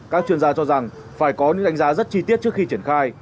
các chuyên gia cho rằng phải có những đánh giá rất chi tiết trước khi triển khai